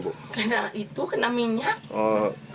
karena itu kena minyak